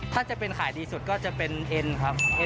ถ้าจะเป็นขายดีสุดก็จะเป็นเอ็นครับ